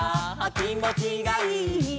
「きもちがいいぞ」